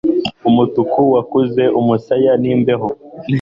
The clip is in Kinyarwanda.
umutuku wakuze umusaya n'imbeho